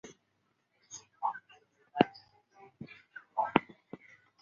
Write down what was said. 二硫代草酰胺是一种有机化合物。